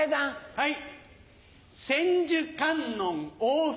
はい。